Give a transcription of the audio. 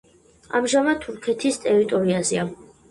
ამჟამად თურქეთის ტერიტორიაზეა.